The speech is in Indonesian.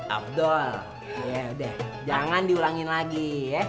abdul yaudah jangan diulangin lagi ya